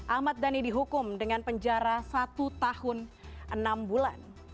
ahmad dhani dihukum dengan penjara satu tahun enam bulan